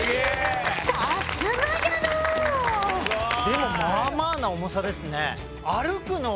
でもまあまあな重さですね。